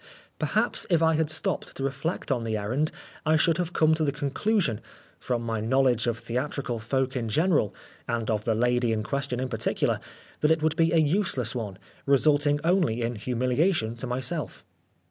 Perhaps if I had stopped to reflect on the errand, I should have come to the conclusion, from my knowledge of theatrical folk in general, and of the lady in question in particular, that it would be a useless one, resulting only in humiliation to myself.